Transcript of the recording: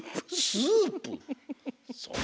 スープ？